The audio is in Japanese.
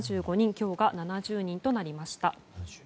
今日が７０人となりました。